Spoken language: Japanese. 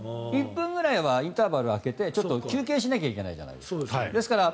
１分ぐらいはインターバル空けて休憩しなきゃいけないじゃないですか。